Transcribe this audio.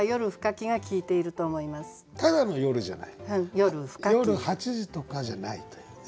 夜８時とかじゃないというね。